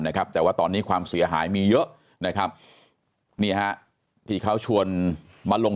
นะครับแต่ว่าตอนนี้ความเสียหายมีเยอะนะครับนี่ฮะที่เขาชวนมาลง